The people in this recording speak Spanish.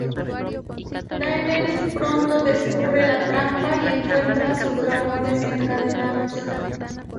Daenerys pronto descubre la trampa y encuentra sus dragones encadenados.